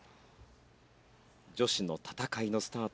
女子の戦いのスタート